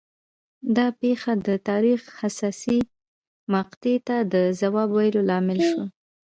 دا پېښه د تاریخ حساسې مقطعې ته د ځواب ویلو لامل شوه